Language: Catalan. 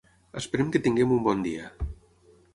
Esperem que tinguem un bon dia.